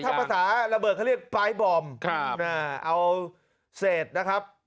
ถ้าภาษาระเบิดเขาเรียกปลายบอมเอาเศษนะครับ